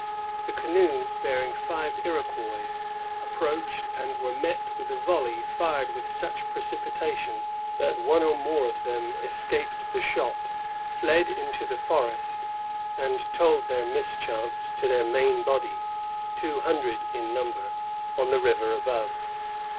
The canoes, bearing five Iroquois, approached, and were met by a volley fired with such precipitation that one or more of them escaped the shot, fled into the forest, and told their mischance to their main body, two hundred in number, on the river above.